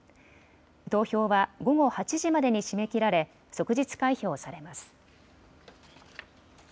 投票は午後８時までに締め切られ即日開票されます。